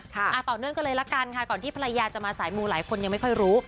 ต่อเนื่องกันเลยละกันค่ะก่อนที่ภรรยาจะมาสายมูหลายคนยังไม่ค่อยรู้